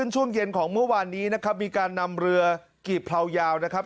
ตอนนี้นะครับมีการนำเรือกีบเผลายาวนะครับ